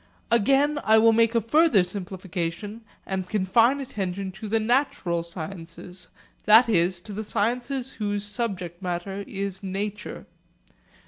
Again I will make a further simplification, and confine attention to the natural sciences, that is, to the sciences whose subject matter is nature.